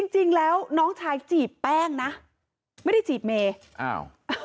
จริงแล้วน้องชายจีบแป้งนะไม่ได้จีบเมอ้าว